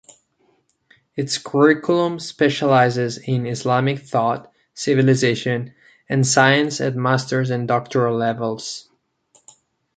Its curriculum specialises in Islamic thought, civilisation and science at master's and doctoral levels.